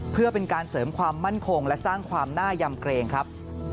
เพื่อเป็นการเสริมความมั่นคงและสร้างความน่ายำเกรงครับ